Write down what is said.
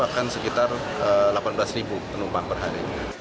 akan sekitar delapan belas penumpang per hari